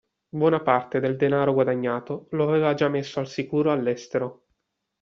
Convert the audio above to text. Buona parte del denaro guadagnato lo aveva già messo al sicuro, all'estero.